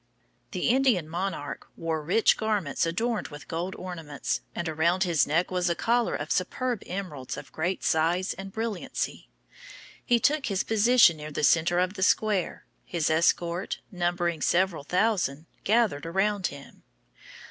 The Indian monarch wore rich garments adorned with gold ornaments, and around his neck was a collar of superb emeralds of great size and brilliancy. He took his position near the center of the square, his escort, numbering several thousand, gathered around him.